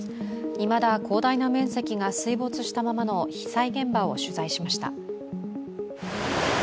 いまだ広大な面積が水没したままの被災現場を取材しました。